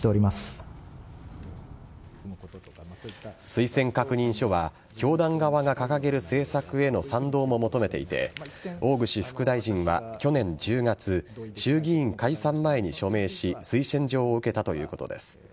推薦確認書は教団側が掲げる政策への賛同も求めていて大串副大臣は去年１０月衆議院解散前に署名し推薦状を受けたということです。